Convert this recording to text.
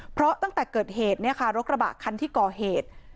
เพราะตั้งแต่เกิดเหตุเนี่ยค่ะรถกระบะคันที่ก่อเหตุ